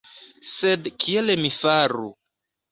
Sed kiel mi faru?